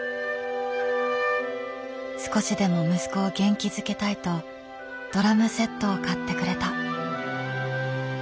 少しでも息子を元気づけたいとドラムセットを買ってくれた。